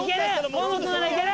河本ならいける！